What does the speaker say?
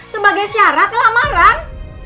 sebagai syarat kelamaran